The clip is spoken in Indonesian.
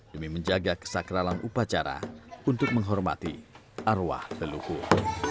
demi menjaga kesakralan upacara untuk menghormati arwah leluhur